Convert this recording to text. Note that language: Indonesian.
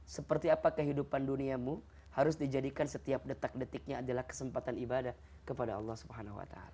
seperti apa kehidupan duniamu harus dijadikan setiap detik detiknya adalah kesempatan ibadah kepada allah swt